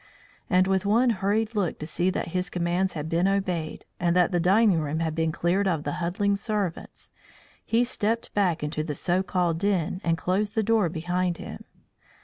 And with one hurried look to see that his commands had been obeyed, and that the dining room had been cleared of the huddling servants, he stepped back into the so called den and closed the door behind him.